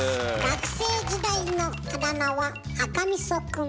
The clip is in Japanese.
学生時代のあだ名は赤みそくん。